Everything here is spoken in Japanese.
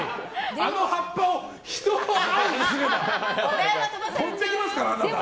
あの葉っぱをひと仰ぎすれば飛んでいきますから、あなた。